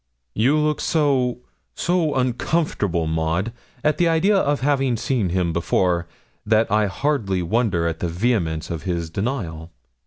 'You look so so uncomfortable, Maud, at the idea of having seen him before, that I hardly wonder at the vehemence of his denial.